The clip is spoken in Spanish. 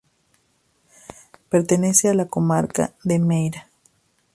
Pertenece a la comarca de Meira.